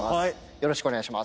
よろしくお願いします。